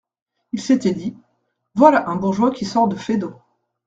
Il s’était dit : voilà un bourgeois qui sort de Feydeau…